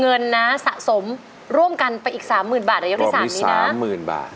เงินนะสะสมร่วมกันไปอีกสามหมื่นบาทในยกที่สามนี้นะ